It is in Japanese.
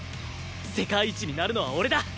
世界一になるのは俺だ！